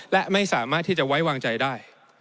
และไม่สามารถที่จะไว้วางใจได้